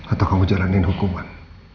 atau kamu jalanin hukuman